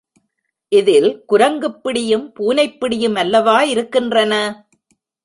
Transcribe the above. இதில் குரங்குப் பிடியும் பூனைப்பிடியும் அல்லவா இருக்கின்றன.